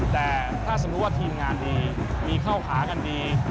แต่ถ้าสมมุติว่าทีมงานดีมีเข้าขากันดี